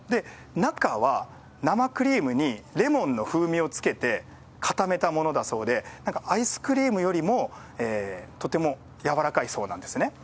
中は生クリームにレモンの風味をつけて固めたものだそうで、なんかアイスクリームよりもとても柔らかいそうなんですね。